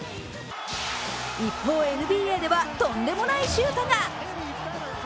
一方、ＮＢＡではとんでもないシュートが。